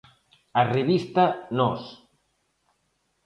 A revista Nós.